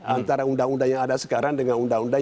antara undang undang yang ada sekarang dengan undang undang